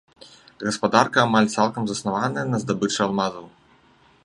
Гаспадарка амаль цалкам заснаваная на здабычы алмазаў.